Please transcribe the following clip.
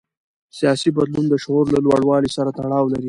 سیاسي بدلون د شعور له لوړوالي سره تړاو لري